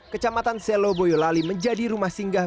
kecamatan selo boyolali menjadi rumah singgah